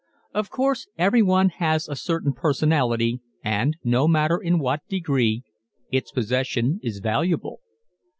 Of course everyone has a certain personality and, no matter in what degree, its possession is valuable.